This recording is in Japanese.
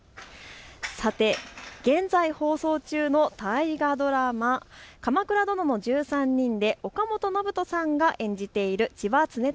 さて、現在、放送中の大河ドラマ、鎌倉殿の１３人で岡本信人さんが演じている千葉常胤。